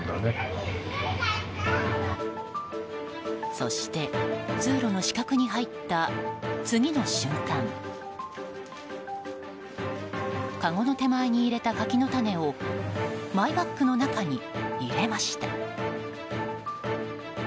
そして通路の死角に入った次の瞬間かごの手前に入れた柿の種をマイバッグの中に入れました。